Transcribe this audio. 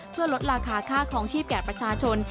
เพื่อลดราคาค่าคลองชีพแก่ประชาชน